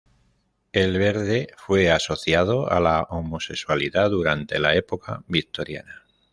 El verde fue asociado a la homosexualidad durante la Época victoriana.